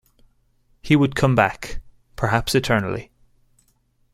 He would come back — perhaps eternally.